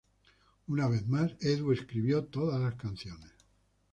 Una vez más, Edu escribió todas las canciones.